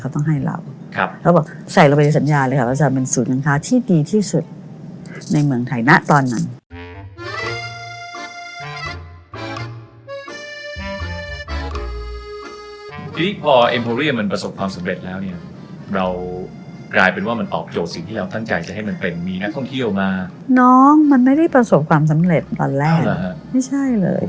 ทีนี้พอเอ็มโพเรียมันประสบความสำเร็จแล้วเนี่ยเรากลายเป็นว่ามันตอบโจทย์สิ่งที่เราตั้งใจจะให้มันเป็นมีนักท่องเที่ยวมาน้องมันไม่ได้ประสบความสำเร็จตอนแรกไม่ใช่เลย